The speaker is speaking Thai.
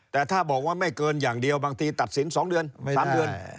แต่ถ้าบอกว่าไม่เกินอย่างเดียวบางทีตัดสิน๒เดือน๓เดือน